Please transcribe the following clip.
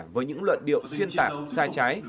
với những luận điệu xuyên tảng sai trái